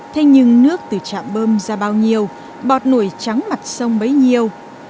thế nhưng nước từ trạm bơm ra bao nhiêu bọt nổi trắng mặt sông bấy nhiêu